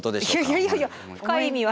いやいやいや深い意味は。